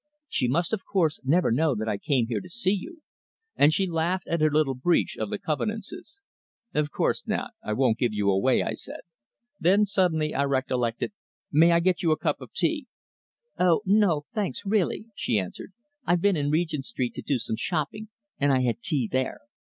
She must, of course, never know that I came here to see you," and she laughed at her little breach of the convenances. "Of course not. I won't give you away," I said. Then suddenly recollecting, I added: "May I get you a cup of tea?" "Oh, no, thanks, really," she answered. "I've been in Regent Street to do some shopping, and I had tea there.